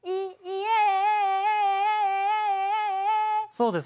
そうです